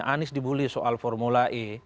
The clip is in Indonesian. kalau melihat soal formula e